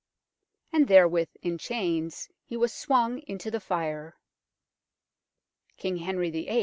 And therewith, in chains, he was swung into the fire. King Henry VIII.